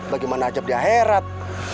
bagaimana ajak di akhirat